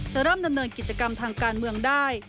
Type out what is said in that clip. จะเริ่มดำเนินกิจกรรมทางการเมืองได้